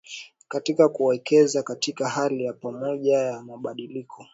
katika kuwekeza katika hali ya pamoja ya mabadiliko